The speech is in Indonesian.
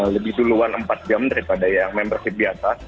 lebih duluan empat jam daripada yang membership biasa